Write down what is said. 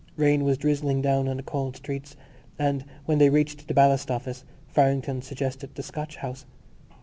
Rain was drizzling down on the cold streets and, when they reached the Ballast Office, Farrington suggested the Scotch House.